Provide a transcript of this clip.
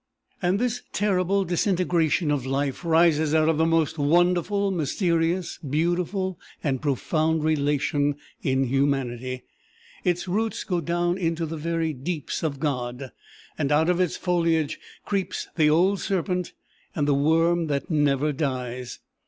And this terrible disintegration of life rises out of the most wonderful, mysterious, beautiful, and profound relation in humanity! Its roots go down into the very deeps of God, and out of its foliage creeps the old serpent, and the worm that never dies!